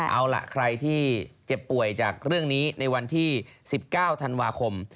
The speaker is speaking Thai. เอาล่ะใครที่เจ็บป่วยจากเรื่องนี้ในวันที่๑๙ธันวาคม